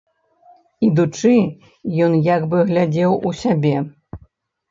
Ідучы, ён як бы глядзеў у сябе.